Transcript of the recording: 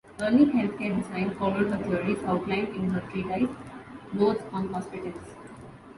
Early healthcare design followed her theories outlined in her treatise, "Notes on Hospitals.".